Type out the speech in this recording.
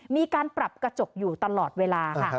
มีการปรับกระจกอยู่ตลอดเวลาค่ะ